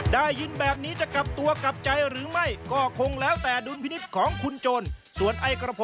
ได้ยินแบบนี้จะกลับตัวกลับใจหรือไม่ก็คงแล้วแต่ดุลพินิษฐ์ของคุณโจรส่วนไอกระพง